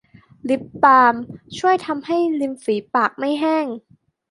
ลิปบาล์มช่วยให้ริมฝีปากไม่แห้ง